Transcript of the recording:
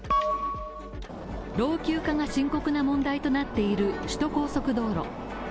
老朽化が深刻な問題となっている首都高速道路。